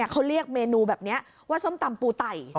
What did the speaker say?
เขาเรียกเมนูแบบนี้ว่าส้มตำปูไต่